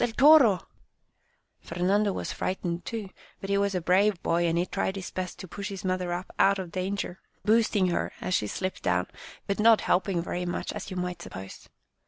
el toro I " Fernando was frightened, too, but he was a brave boy, and he tried his best to push his mother up out of danger, boosting her as she slipped down, but not helping very much, as you might suppose.